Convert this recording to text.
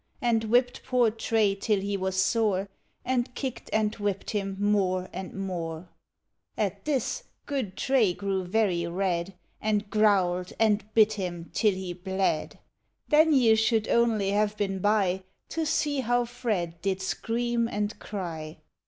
And whipped poor Tray till he was sore, And kicked and whipped him more and more: At this, good Tray grew very red. And growled and bit him till he bled; Then you should only have been by. To see how Fred did scream and cry!